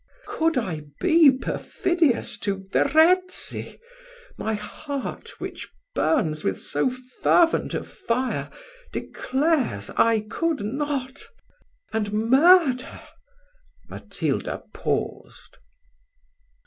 Could I be perfidious to Verezzi, my heart, which burns with so fervent a fire, declares I could not, and murder " Matilda paused.